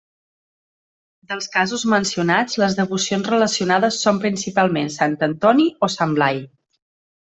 Dels casos mencionats les devocions relacionades són principalment sant Antoni o sant Blai.